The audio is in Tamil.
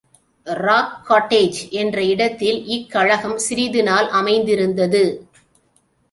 ராக்காட்டேஜ் என்ற இடத்தில் இக் கழகம் சிறிது நாள் அமைந்திருந்தது.